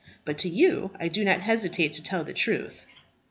But to you I do not hesitate to tell the truth."